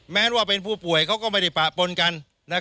แม้ว่าเป็นผู้ป่วยเขาก็ไม่ได้ปะปนกัน